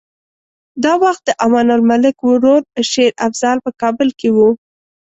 دا وخت د امان الملک ورور شېر افضل په کابل کې و.